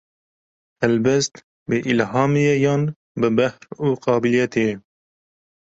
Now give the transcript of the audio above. Helbest, bi îlhamê ye yan bi behr û qabîliyetê ye?